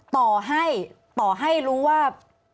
ต่อให้รู้ว่า